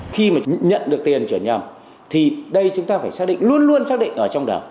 khi mà nhận được tiền chuyển nhầm thì đây chúng ta phải xác định luôn luôn xác định ở trong đảng